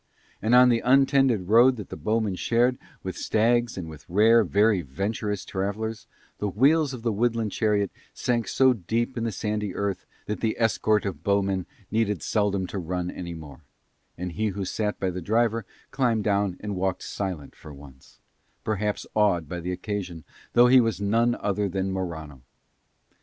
And on the untended road that the bowmen shared with stags and with rare, very venturous travellers, the wheels of the woodland chariot sank so deep in the sandy earth that the escort of bowmen needed seldom to run any more; and he who sat by the driver climbed down and walked silent for once, perhaps awed by the occasion, though he was none other than Morano.